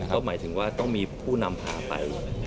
ก็หมายถึงว่าต้องมีผู้นำพาไป